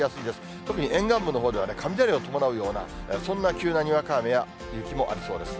特に沿岸部のほうでは雷を伴うようなそんな急なにわか雨や雪もありそうです。